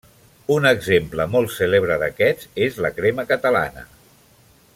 Un exemple molt cèlebre d'aquests és la crema catalana.